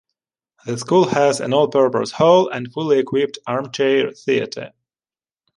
The school has an all-purpose hall and a fully equipped armchair theatre.